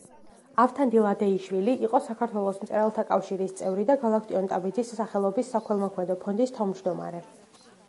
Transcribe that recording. ავთანდილ ადეიშვილი იყო საქართველოს მწერალთა კავშირის წევრი და გალაქტიონ ტაბიძის სახელობის საქველმოქმედო ფონდის თავმჯდომარე.